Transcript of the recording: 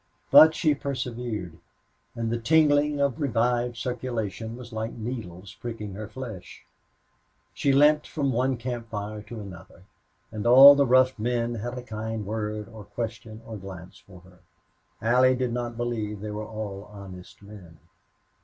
But she persevered, and the tingling of revived circulation was like needles pricking her flesh. She limped from one camp fire to another; and all the rough men had a kind word or question or glance for her. Allie did not believe they were all honest men.